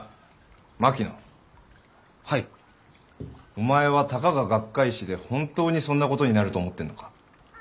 お前はたかが学会誌で本当にそんなことになると思ってるのか？